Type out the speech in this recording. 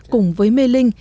cùng với mê linh